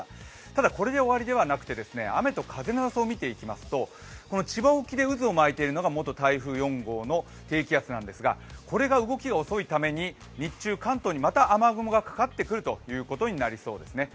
ただ、これで終わりではなくて雨と風の予想を見ていきますと千葉沖で渦を巻いているのが元台風４号の雨雲なんですがこれが動きが遅いために日中、関東にまた雨雲がかかってくるということになりそうです。